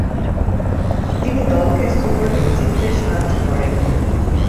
তিনি দলকে super league জিততে সাহায্য করেন।